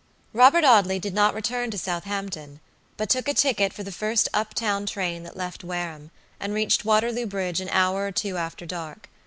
Robert Audley did not return to Southampton, but took a ticket for the first up town train that left Wareham, and reached Waterloo Bridge an hour or two after dark.